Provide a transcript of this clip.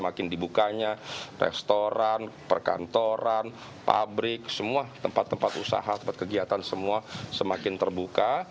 makin dibukanya restoran perkantoran pabrik semua tempat tempat usaha tempat kegiatan semua semakin terbuka